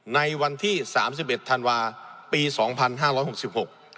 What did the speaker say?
ในวันที่สามสิบเอ็ดธันวาปีสองพันห้าร้อยหกสิบหก